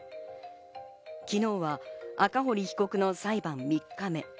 昨日は赤堀被告の裁判３日目。